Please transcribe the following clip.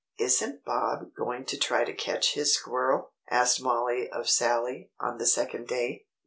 "Isn't Bob going to try to catch his squirrel?" asked Mollie of Sallie, on the second day.